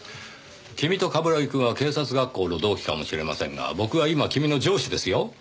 君と冠城くんは警察学校の同期かもしれませんが僕は今君の上司ですよ。